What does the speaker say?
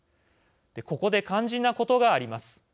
ここで肝心なことがあります。